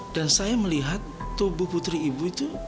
dan saya melihat tubuh putri ibu itu